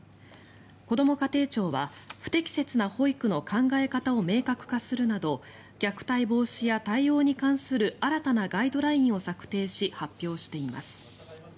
こども家庭庁は不適切な保育の考え方を明確化するなど虐待防止や対応に関する新たなガイドラインを策定し発表しています。